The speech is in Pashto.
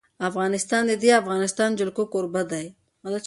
افغانستان د د افغانستان جلکو کوربه دی.